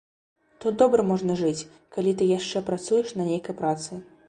Тут добра можна жыць, калі ты яшчэ працуеш на нейкай працы.